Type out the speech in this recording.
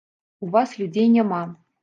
У вас людзей няма.